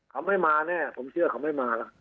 คำให้มาแน่ผมเชื่อคำให้มาล่ะ